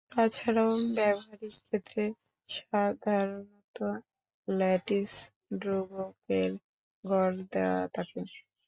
তাছাড়াও ব্যবহারিক ক্ষেত্রে সাধারণত ল্যাটিস ধ্রুবকের গড় দেয়া থাকে।